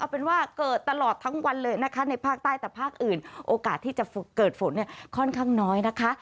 เป็นว่าเกิดตลอดทั้งวันเลยนะคะในภาคใต้แต่ภาคอื่นโอกาสที่จะเกิดฝนเนี่ยค่อนข้างน้อยนะคะ